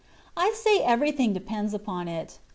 I say everything depends upon it.